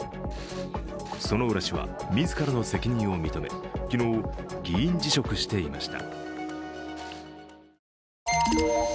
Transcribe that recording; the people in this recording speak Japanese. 薗浦氏は自らの責任を認め昨日、議員辞職していました。